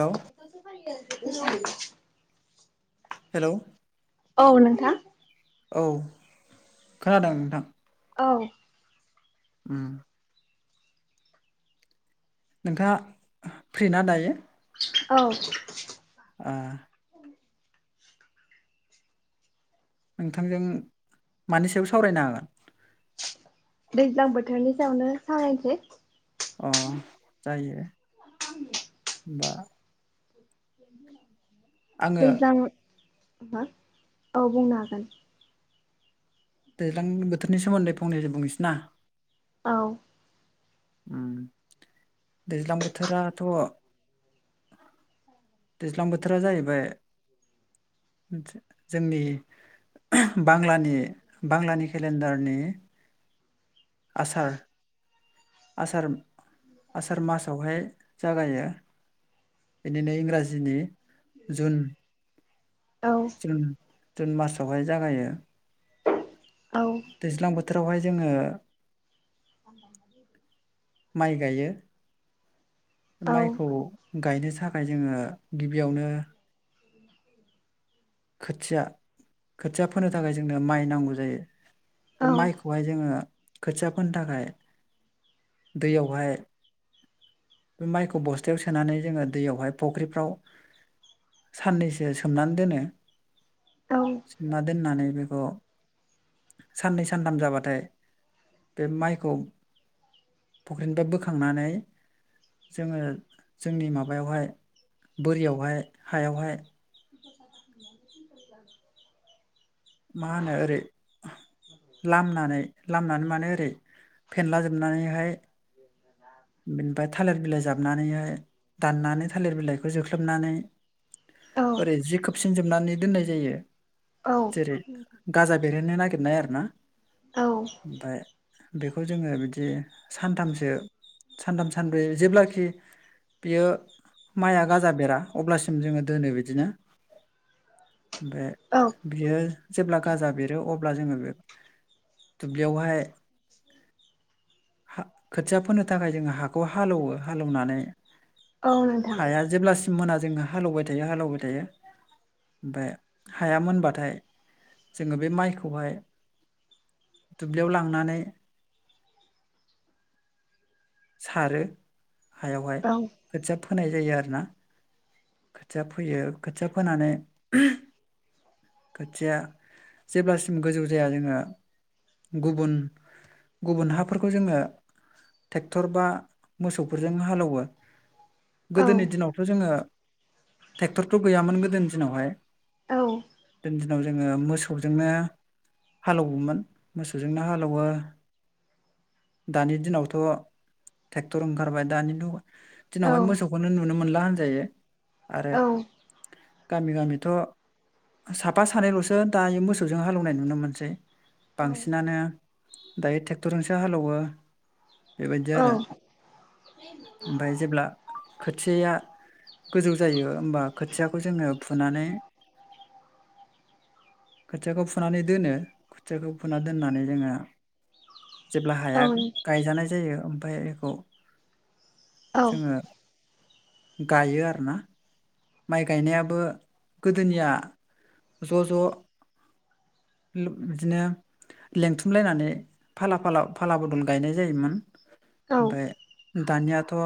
Hello hello औ नोंथां औ खोनादों नोंथां? औ उम नोंथाङा फ्रि ना दायो? औ ओ नोंथांजों मानि सायाव सावरायनो हागोन? दैज्लां बोथोरनि सायावनो सावरायनोसै अ जायो बा ज न [unintelligible] आङो दैज्लां मा औ बुंनो हागोन दैलां बोथोरनि सोमोन्दै फंनैसो बुंनोसै ना? औ उम दैज्लां बोथोराथ' दैज्लां बोथोरा जाहैबाय जोंनि बांलानि बांलानि केलेन्डारनि आसार आसार आसार मासावहाय जागायो बिनिनो इंराजिनि जुन औ जुन जुन मासावहाय जागायो औ आ म दैज्लां बोथोरावहाय जोङो [unintelligible] माइ गायो। औ माइखौ गायनो जा थाखाय जोङो गिबियावनो खोथिया खोथिया फोनो थाखाय जोंनो माइ नांगौ जायो। बे औ माइखौहाय जोङो खोथिया फोनो थाखाय दैयावहाय बे माइखौ बस्थायाव सोनानै जोङो दैयावहाय फुख्रिफ्राव साननैसो सोमनानै दोनो। औ सोमना दोननानै बेखौ साननै सानथाम जाबाथाय बे माइखौ फुख्रिनिफ्राय बोखांनानै जोङो जोंनि माबायावहाय बोरियावहाय हायावहाय [inaudible] मा होनो ओरै लामनानै लामनानै माने ओरै फेनला जोबनानैहाय बेनिफ्राय थालिर बिलाइ जाबनानैहाय दाननानै थालिर बिलाइखौ जोख्लोबनानै ओरै जि खोबसिन जोबनानै दोननाय जायो। जेरै गाजा बेरेहोनो नागिर नागिरनाय आरोना। औ ओमफाय बेखौ जोङो बिदि सानथामसो सानथाम सानब्रै जेब्लाखि बियो माइआ गाजा बेरा अब्लासिम जोङो दोनो बिदिनो। ओमफाय दिनो जेब्ला गाजा बेरो अब्ला जोङो बे दुब्लियावहाय हा खोथिया फोनो थाखाय जोङो हाखौ हालेवो हालेवनानै औ नोंथां। मोना जोङो हालेवबाय थायो हालौबाय थायो ओमफाय हाया मोनबाथाय जोङो बे माइखौहाय दुब्लियाव लांनानै [inaudible] सारो हायावहाय औ खोथिया होनाय जायो आरो ना। खोथिया फोयो खोथिया फोनानै ओहोम खोथिया जेब्लासिम गोजौ जाया जोङो गुबुन गुबुन हाफोरखौ जोङो ट्रेक्टर बा मोसौफोरजों हालौवो। औ गोदोनि दिनावथ' जोङो ट्रेक्टरथ' गैयामोन गोदोनि दिनावहाय। औ दोनजो दिनाव जोङो मोसौजोंनो हालौवोमोन मोसौजोंनो हालौवो दानि दिनावथ' ट्रेक्टर ओंखारबाय दानि औ दिनावहाय मोसौखौनो नुनो मोनला होनजायो। आरो औ गामि गामिथ' साफा सानैल'सो दायो मोसौजों हालेवनाय नुनो मोनसै। बांसिनानो दायो ट्रेक्टरजोंसो हालौवो बेबायदि औ आरो खोथियाया गोजौ जायो होमबा खोथियाखौ जोङो फुनानै जेब्ला हाया गायजानाय जायो बाय एखौ जोङो गायोे आरो ना माइ गायनायाबो गोदोनिया ज' ज' बिदिनो लेंथुमलायनानै फाला फाला फाला बदल गायनाय जायोमोन। ओमफ्राय दानिया थ'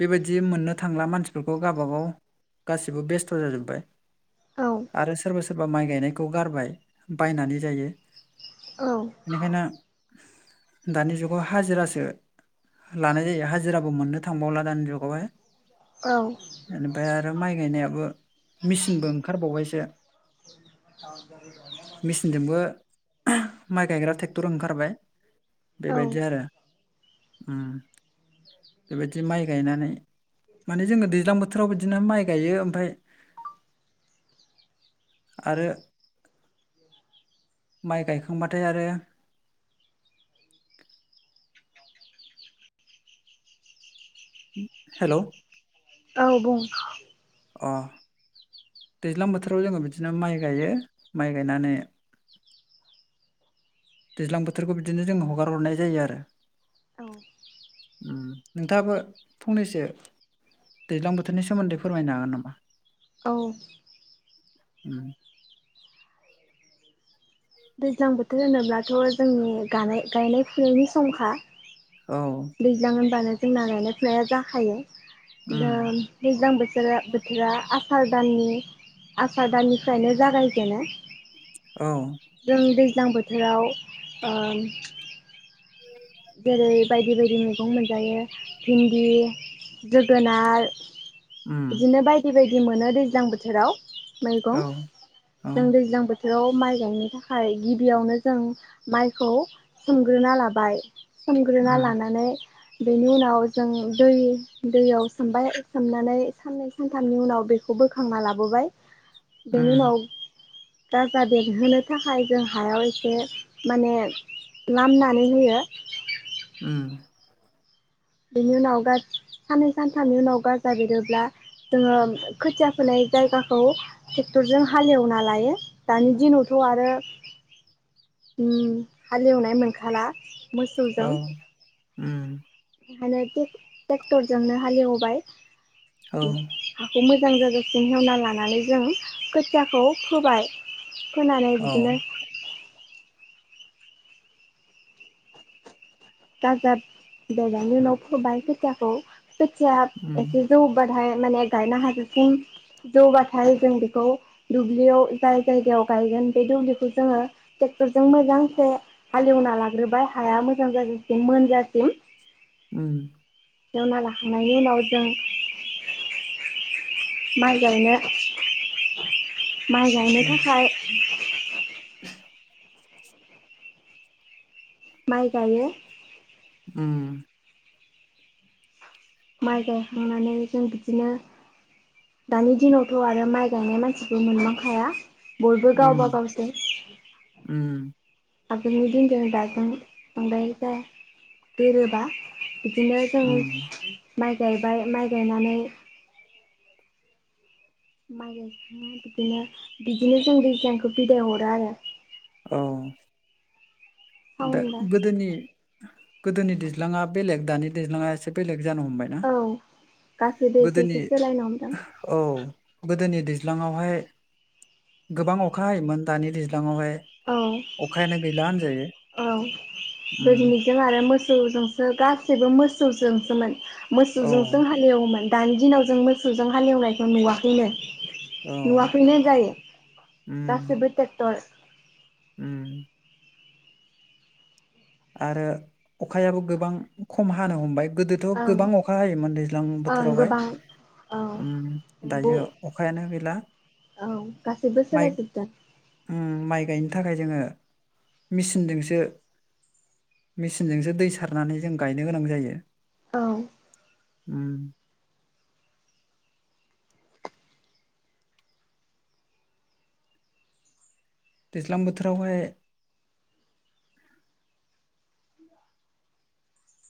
बेबादि मोननो थांला मानसिफोरखौ गावबागाव गासिबो बेस्थ' जाजोबबाय। आरो सारबा सोर बा माइ गायनायखौ गारबाय बायनानै जायो। बेनिखायनो दानि जुगाव हाजिरासो लानाय जायो। हाजिराबो मोननो थांबावला दानि जुगावहाय औ बेनिफ्राय आरो माइ गायनायाबो मेचिनबो ओंखारबावबायसो। मेचिनजोंबो [inaudible] माइ गायग्रा ट्रेक्टर ओंखारबाय बेबायदि आरो। ओम बेबायदि माइ गायनानै माने जोङो दैज्लां बो बिदिनो माइ गायो ओमफ्राय आरो माइ गायखांबाथाय आरो हेलौ औ बुं अ दैज्लां बोथोराव जोङो बिदिनो माइ गायो। माइ गायनानै दैज्लां बोथोरखौ बिदिनो जोङो हगार हरनाय जायो आरो। औ ओम नोंथाङाबो फंनैसो दैज्लां बोथोरनि सोमोन्दै फ फोरमायनो हागोन नामा? औ ओम दैज्लां बोथोर होनोब्लाथ' जोंनि गानाय गायनाय फुनायनि समखा। औ दैज्लां होनबानो जोंना गायनाय फुनाया जाखायो। उम दोम दैज्लां बो थोरा बोथोरा आसार दाननि आसार दाननिफ्रायनो जागायजेनो। औ। जों दैज्लां बोथोराव ओ जेरै बायदि बायदि मैगं मोनजायो भिन्दि, जोगोनार उम बिदिनो बायदि बाय दि मोनो दैज्लां बोथोराव। औ मैगं औ जों दैज्लां बो थोराव माइ गायनो थाखाय गिबियावनो जों माइखौ सोमग्रोना लाबाय। सोमग्रोना उम लानानै बेनि उनाव जों दै दैयाव सोमबाय सोमनानै साननै सानथामनि उनाव बेखौ बोखांना लाबोबाय। बेनि उम उनाव गाजा बेरहोनो थाखाय जों हायाव एसे माने लामनानै होयो। उम। बेनि उनाव गा साननै सानथामनि उनाव गाजा बेरोब्ला जोङो खोथिया फोनाय जायगाखौ ट्रेक्टरजों हालेवना लायो दानि दिनावथ' आरो उम हालेवनाय मोनखाला। औ मोसौजों। उम। ओंखायनो टेक-ट्रेक्टरजोंनो हालेवबाय। औ उम हाखौ मो जां जाजासिम एवना लानानै जों खोथियाखौ फोबाय। फोनानै औ बिदिनो गाजाब बेरनायनि उनाव फोबाय खोथियाखौ खोथिया उम एसे जौबा थाय माने गायनो हाजासिम जौबाथाय जों बेखौ दुब्लियाव जाय जायगायाव गायगोन बे दुब्लिखौ जोङो ट्रेक्टरजों मोजांसे हालेवना लाग्रोबाय हाया मोजां जाजा सिम मोनजासिम। उम। एवना लाखांनायनि उनाव जों माइ गायनो [unintelligible] माइ गायनो उम थाखाय [inaudible] माइ गाइयो। उम। माइ गायखांनानै, जों बिदिनो दानि दिनावथ' आरो माइ गायनाय मानसिबो मोनबांखाया। बयबो गावबा उम गावसो उम आगोलनि दिनजों दाजों बांद्राय जाया गोरोबा। बिदिनो जों उम माइ गायबाय माइ गायनानै माइ गायखांना बिदिनो बिदिनो जों दैज्लांखौ बिदाय हरो आरो। औ। दा सावनबा गोदोनि गोदोनि दैज्लाङा बेलेग, दानि दैज्लाङा एसे बेलेग जानो हमबायना औ गासैबो एसे गोदोनि एसे सोलायनो हमदों। औ गोदोनि दैज्लाङावहाय गोबां अखा हायोमोन, दानि दैज्लाङावहाय औ अखायानो गैला होनजायो औ उम गोदोनिजों आरो मोस जोंसो गासैबो मोसौजोंसोमोन। औ मोसौजोंसो हालेवोमोन। दानि दिनाव जों मोसौजों हालेवनायखौ नुवाखैनो। औ नुवाखैनो जायो उम गासैबो ट्रेक्टर उम आरो अखायाबो गोबां खम हानो हमबाय। गोदोथ ओं गोबां अखा हायोमोन दैज्लां ओं बोथोरावहाय गोबां औ उम नंगौ दायो अखायानो गैला औ गासैबो माइ सोलायजोबदों उम माइ गायनो। थाखाय जोंङो मेसिनजोंसो मेसिनजोंसो दै सारनानै जों गायनो गोनां जायो। औ उम दैज्लां बोथोरावहाय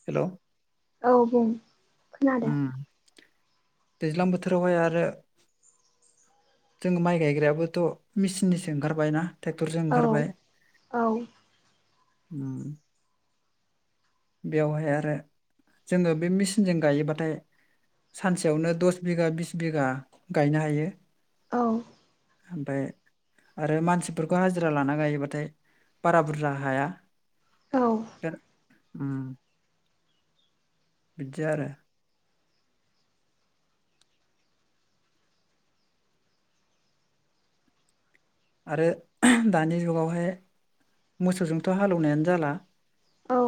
हेलौ औ बुं खोनादों दैज्लां बोथोरावहाय आरो जोंङो माइ गायग्रायाबोथ मेचिननिसो ओंखारबाय ना। ट्रेक्टरजों औ औ उम बेवहाय आरो जोंङो बे मेचिनजों गायोबाथाय सानसेयावनो दस बिगा बिस बिगा गायनो हायो। औ ओमफाय आरो मानसिफोरखौ हाजिरा लाना गायोबाथाय बारा बुरजा हाया। औ दा उम बिदि आरो आरो दानि जुगावहाय मोसौजोंथ हालौवनायानो जाला। औ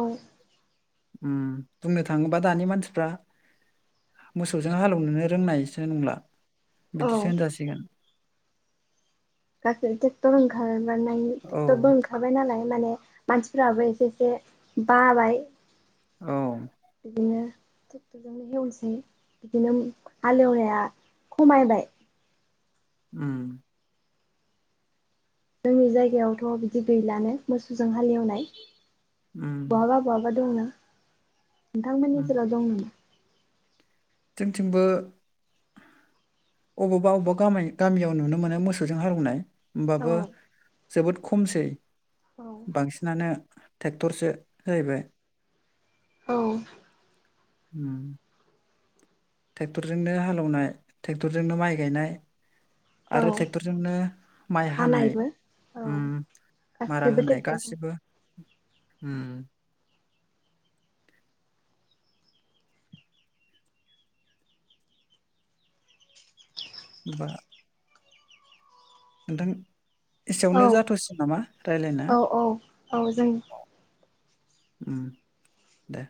ओम बुंनो थाङोबा दानि मानसिफ्रा मोसौजों हालेवनोनो रोंनायसो नंला। बिदिसो औ होनजासिगोन। गासै ट्रेक्टर ओंखार मोनायनि औ ट्रेक्टरबो ओंखारबाय नालाय। माने मानसिफोराबो एसे एसे बाबाय औ बिदिनो ट्रेक्टरजोंनो हेवनोसै बिदिनो हालेवनाया खमायबाय। उम जोंनि जायगायावथ बिदि गैलानो मोसौजों हालेवनाय। उम बहाबा बहाबा दंना। नोंथांमोननि उम ओनसोलाव दं नामा? जोंथिंबो अबावबा अबावबा गाम गामियाव नुनो मोनो मोसौजों हालवनाय औ होमबाबो जोबोद खमसै औ बांसिनानो ट्रेक्टरसो जाहैबाय औ हम ट्रेक्टरजोंनो हाल एवनाय ट्रेक्टरजोंनो माइ गायनाय आरो औ ट्रेक्टरजोंनो माइ हानाय हानायबो औ ओम मारा गासिबो होनाय ट्रेक्टरजों गासिबो हम बा नोंथां औ एसेयावनो जाथ'सै नामा रायलायना औ औ औ जों ओम दे